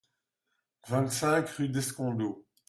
vingt-cinq rue d'Escondeaux